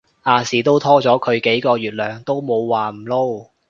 亞視都拖咗佢幾個月糧都冇話唔撈